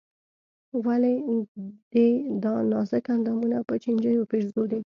ولې دې دا نازک اندامونه په چينجيو پېرزو دي.